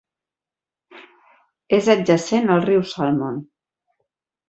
És adjacent al riu Salmon.